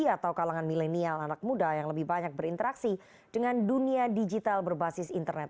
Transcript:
atau kalangan milenial anak muda yang lebih banyak berinteraksi dengan dunia digital berbasis internet